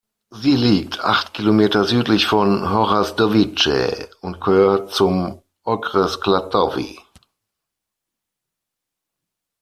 Sie liegt acht Kilometer südlich von Horažďovice und gehört zum Okres Klatovy.